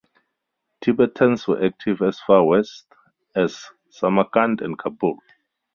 Tibetans were active as far west as Samarkand and Kabul.